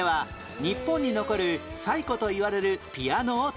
日本に残る最古といわれるピアノを展示